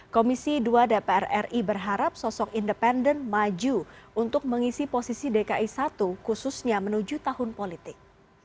komisi dua dpr ri berharap sosok independen maju untuk mengisi posisi dki satu khususnya menuju tahun politik